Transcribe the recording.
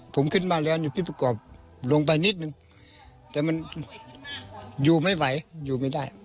ผมขึ้นมาแล้วนี่พี่ประกอบลงไปนิดนึงแต่มันอยู่ไม่ไหวอยู่ไม่ได้